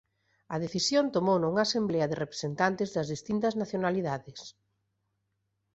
A decisión tomouna unha asemblea de representantes das distintas nacionalidades.